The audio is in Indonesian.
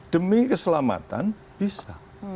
demi keselamatan bisa